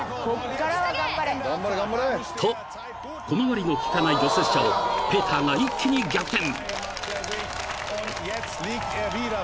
［と小回りの利かない除雪車をペーターが一気に逆転］